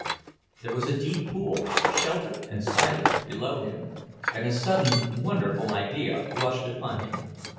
There was a deep pool, sheltered and silent, below him, and a sudden wonderful idea rushed upon him.